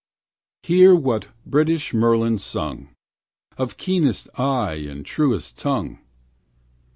II Hear what British Merlin sung, Of keenest eye and truest tongue.